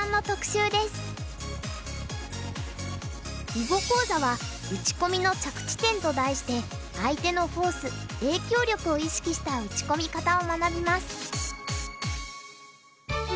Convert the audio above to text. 囲碁講座は「打ち込みの着地点」と題して相手のフォース影響力を意識した打ち込み方を学びます。